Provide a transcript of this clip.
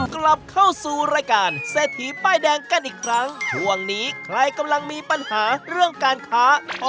กลับเข้าสู่รายการเศรษฐีป้ายแดงกันอีกครั้งช่วงนี้ใครกำลังมีปัญหาเรื่องการค้า